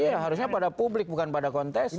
iya harusnya pada publik bukan pada kontes